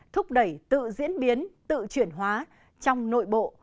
thúc đẩy tự diễn biến tự chuyển hóa trong nội bộ